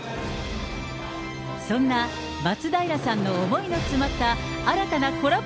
そんな松平さんの思いの詰まった新たなコラボ